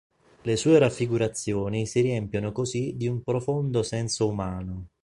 Le sue raffigurazioni si riempiono così di un profondo senso umano".